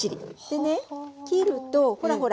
でね切るとほらほら